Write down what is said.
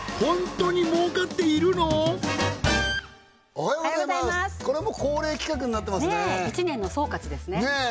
おはようございますこれはもう恒例企画になってますね一年の総括ですねねえ